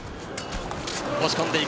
押し込んでいく。